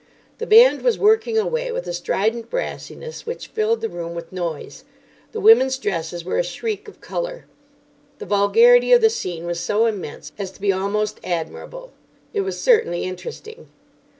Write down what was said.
The band was working away with a strident brassiness which filled the room with noise. The women's dresses were a shriek of colour. The vulgarity of the scene was so immense as to be almost admirable. It was certainly interesting.